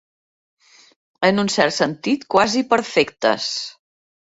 En un cert sentit, quasi perfectes.